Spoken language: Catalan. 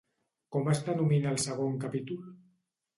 Com es denomina el segon capítol?